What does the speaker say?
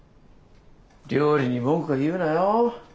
料理に文句言うなよ。